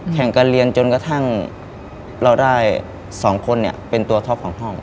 แข่งการเรียนจนกระทั่งเราได้๒คนเนี่ยเป็นตัวท็อปของห้อง